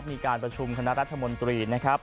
มีการประชุมคณะรัฐมนตรีนะครับ